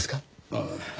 ああ。